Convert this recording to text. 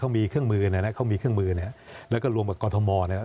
เขามีเครื่องมือเนี่ยแล้วก็รวมกับกรทมเนี่ย